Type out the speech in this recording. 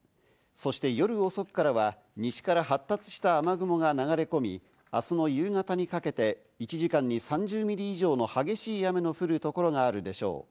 そして、夜遅くからは西から発達した雨雲が流れ込み、明日の夕方にかけて１時間に３０ミリ以上の激しい雨の降る所があるでしょう。